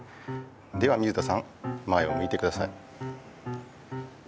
では水田さん前をむいてください。